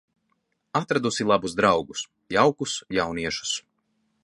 Atradusi labus draugus, jaukus jauniešus.